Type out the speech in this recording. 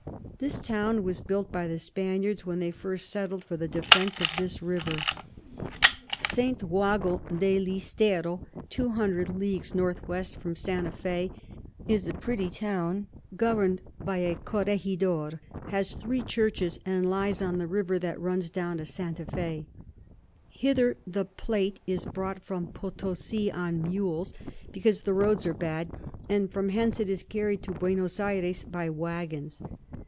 This Town was built by the Spaniards when they first settled, for the Defence of this River. [Sidenote: Account of the River La Plata.] St. Jago de l'Istero 200 Leagues N W. from Santa Fe, is a pretty Town govern'd by a Corregidore, has three Churches, and lies on the River that runs down to Santa Fe. Hither the Plate is brought from Potosi on Mules, because the Roads are bad; and from hence it is carry'd to Buenos Ayres by Waggons.